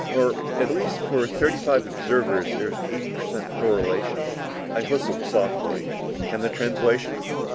Or at least for thirty five observers there was an eighty per cent correlation." I whistled softly. "And the translation?"